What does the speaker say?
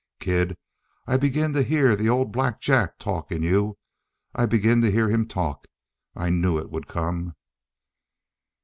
"Kid, I begin to hear the old Black Jack talk in you! I begin to hear him talk! I knew it would come!"